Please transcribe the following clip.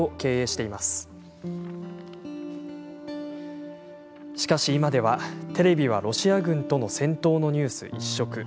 しかし今では、テレビはロシア軍との戦闘のニュース一色。